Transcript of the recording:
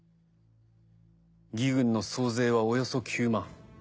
魏軍の総勢はおよそ９万。